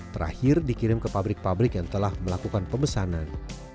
terakhir dikirim ke pabrik pabrik yang telah melakukan pemesanan